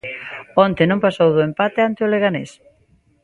Onte non pasou do empate ante o Leganés.